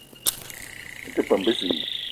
Me te peum bezimbi